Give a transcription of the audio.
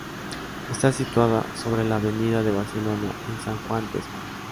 Está situada sobre la Avenida de Barcelona en San Juan Despí.